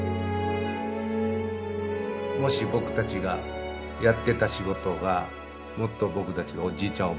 もし僕たちがやってた仕事がもっと僕たちがおじいちゃん